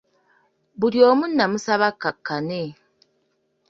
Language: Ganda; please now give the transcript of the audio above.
Buli omu namusaba akakkane.